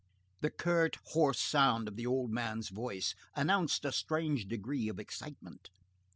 The curt, hoarse sound of the old man's voice announced a strange degree of excitement.